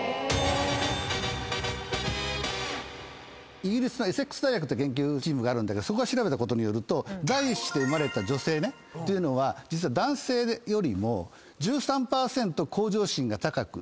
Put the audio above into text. イギリスのエセックス大学って研究チームが調べたことによると第一子で生まれた女性っていうのは実は男性よりも１３％向上心が高く。